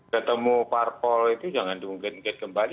ketemu parpol itu jangan dimungkinkan kembali